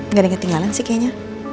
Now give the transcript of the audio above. gak ada yang ketinggalan sih kayaknya